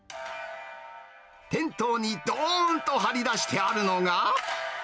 店頭にどーんと張り出してあるのが。